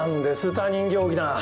他人行儀な。